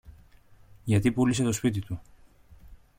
γιατί πούλησε το σπίτι του